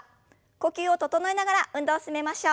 呼吸を整えながら運動を進めましょう。